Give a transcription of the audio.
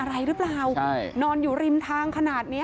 ถ้าบ้านแถวนั้นเขากังวลว่าบ้านนอนอยู่ริมทางขนาดนานแดนเมือง